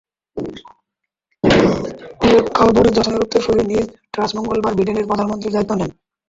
উল্লেখ্য, বরিস জনসনের উত্তরসূরী লিজ ট্রাস মঙ্গলবার ব্রিটেনের প্রধানমন্ত্রীর দায়িত্ব নেন।